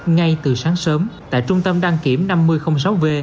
ngay từ sáng sớm tại trung tâm đăng kiểm năm mươi sáu v